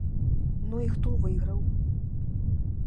Ну і хто выйграў?